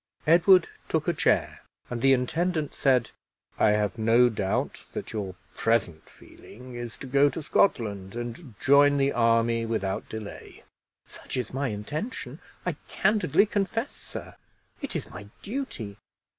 Edward took a chair, and the intendant said, "I have no doubt that your present feeling is to go to Scotland, and join the army without delay." "Such is my intention, I candidly confess, sir. It is my duty."